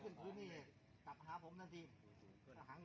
วันที่สุดท้ายมันกลายเป็นเวลาที่สุดท้าย